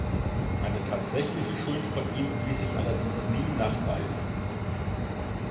Eine tatsächliche Schuld von ihm ließ sich allerdings nie nachweisen.